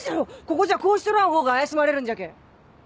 ここじゃこうしちょらんほうが怪しまれるんじゃけぇ。